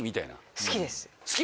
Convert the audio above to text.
好きです。